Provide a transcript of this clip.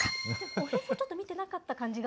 おへそをちょっと見てなかった感じが。